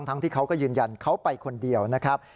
ที่เขาก็ยืนยันเขาไปคนเดียวนะครับ